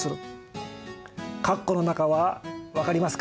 括弧の中は分かりますか？